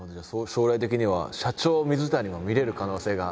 将来的には社長・水谷も見れる可能性が。